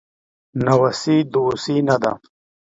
ناوسي دووسي نده